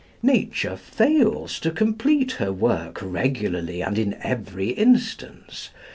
Nature fails to complete her work regularly and in every instance.